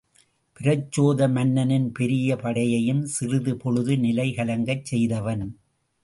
பிரச்சோதன மன்னனின் பெரிய படையையும் சிறிது பொழுது நிலை கலங்கச் செய்தவன்.